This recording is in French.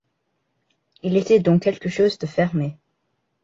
Il était dans quelque chose de fermé.